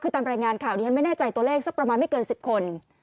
คือตามรายงานข่าวดิฉันไม่แน่ใจตัวเลขสักประมาณไม่เกิน๑๐คน